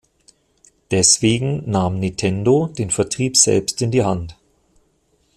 Deswegen nahm Nintendo den Vertrieb selbst in die Hand.